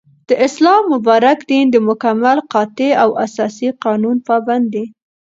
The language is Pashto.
داسلام مبارك دين دمكمل ، قاطع او اساسي قانون پابند دى